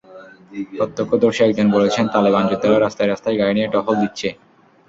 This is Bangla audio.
প্রত্যক্ষদর্শী একজন বলেছেন, তালেবান যোদ্ধারা রাস্তায় রাস্তায় গাড়ি নিয়ে টহল দিচ্ছে।